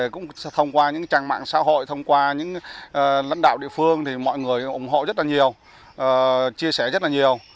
cũng thông qua những trang mạng xã hội thông qua những lãnh đạo địa phương thì mọi người ủng hộ rất là nhiều chia sẻ rất là nhiều